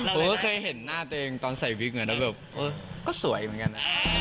เกิดหูเคยเห็นหน้าตัวเองตอนใสวิทย์กูสวยเหมือนกัน